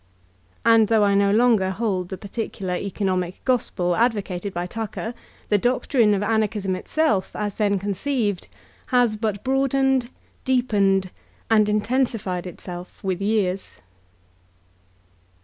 '* And though I no longer hold the particular economic gospel advocated by Tucker, the doctrine of Anarchism itself, as then con ceived, has but broadened, deepened, and intensified itself with years.